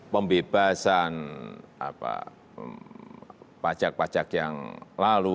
pembebasan pajak pajak yang lalu